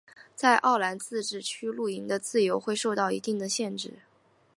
在奥兰自治区露营的自由会受到一定的限制。